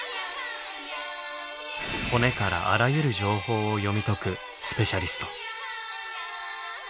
骨からあらゆる情報を読み解くスペシャリスト。